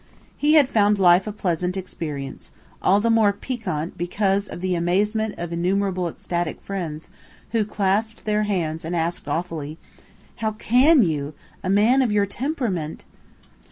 He had found life a pleasant experience all the more piquant because of the amazement of innumerable ecstatic friends who clasped their hands and asked awefully: "How can you a man of your temperament...!"